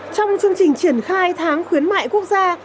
trong chương trình triển khai tháng khuyến mại quốc gia